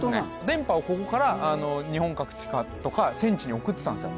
電波をここから日本各地とか戦地に送ってたんですよ